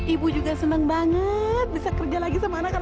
ibu juga senang banget bisa kerja lagi sama anak anak